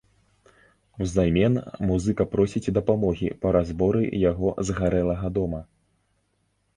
Узамен музыка просіць дапамогі па разборы яго згарэлага дома.